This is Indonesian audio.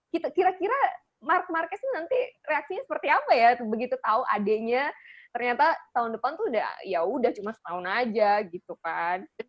kira kira mark marquez ini nanti reaksinya seperti apa ya begitu tahu adeknya ternyata tahun depan tuh udah yaudah cuma setahun aja gitu kan